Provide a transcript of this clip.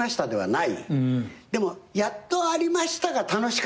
でもやっとありましたが楽しかった。